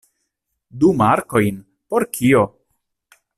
Du markojn? Por kio?